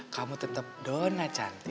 kamu tetep dona cantik